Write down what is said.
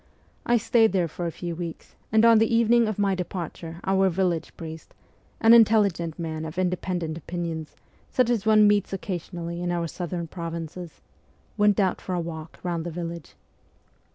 I stayed there for a few weeks, and on the evening of my departure our village priest an intelli gent man of independent opinions, such as one meets occasionally in our southern provinces went out for a walk round the village.